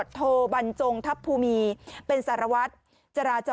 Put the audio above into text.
สุดยอดดีแล้วล่ะ